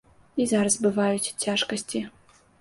І зараз бываюць цяжкасці.